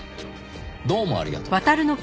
どうもありがとう。